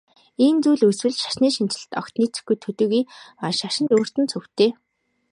Ийм зүйл үүсвэл шашны шинэчлэлд огт нийцэхгүй төдийгүй шашинд өөрт нь цөвтэй.